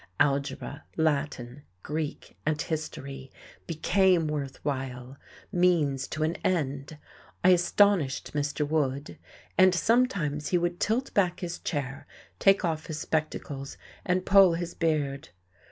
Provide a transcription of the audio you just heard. Algebra, Latin, Greek and history became worth while, means to an end. I astonished Mr. Wood; and sometimes he would tilt back his chair, take off his spectacles and pull his beard.